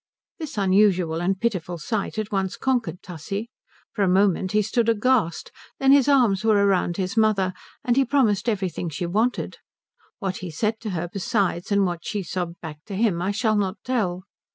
This unusual and pitiful sight at once conquered Tussie. For a moment he stood aghast; then his arms were round his mother, and he promised everything she wanted. What he said to her besides and what she sobbed back to him I shall not tell.